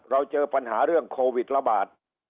เราเจอปัญหาเรื่องโควิดระบาด